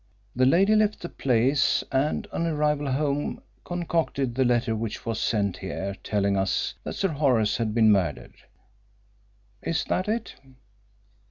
The lady left the place and on arrival home concocted that letter which was sent here telling us that Sir Horace had been murdered. Is that it?"